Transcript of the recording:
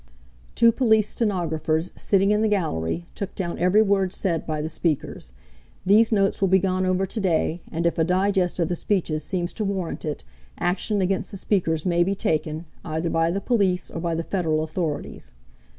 Two police stenographers, sitting in the gallery, took down every word said by the speakers. These notes will be gone over today, and, if a digest of the speeches seems to warrant it, action against the speakers may be taken, either by the police or by the Federal authorities.